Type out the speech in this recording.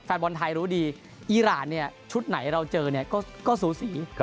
แฟนบอลไทยรู้ดีอีรานชุดไหนเราเจอเนี่ยก็สูสี